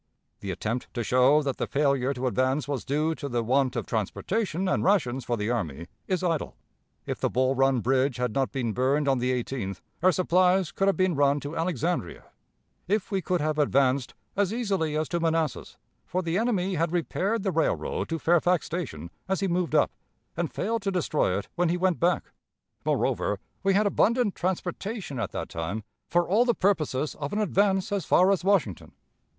The attempt to show that the failure to advance was due to the want of transportation and rations for the army is idle. If the Bull Run bridge had not been burned on the 18th, our supplies could have been run to Alexandria, if we could have advanced, as easily as to Manassas, for the enemy had repaired the railroad to Fairfax Station as he moved up, and failed to destroy it when he went back. Moreover, we had abundant transportation at that time for all the purposes of an advance as far as Washington.